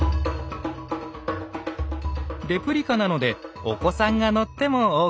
レプリカなのでお子さんが乗ってもＯＫ。